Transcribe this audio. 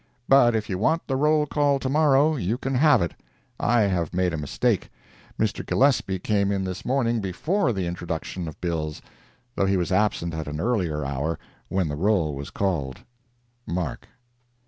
But if you want the roll call to morrow, you can have it. I have made a mistake. Mr. Gillespie came in this morning before the introduction of bills, though he was absent at an earlier hour, when the roll was called.—MARK.